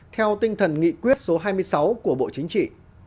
theo tinh thần nghị quyết số hai mươi sáu của bộ chính trị